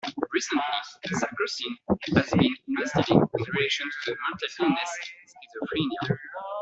Recently, sarcosine has been investigated in relation to the mental illness schizophrenia.